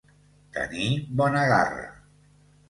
Tenir bona garra.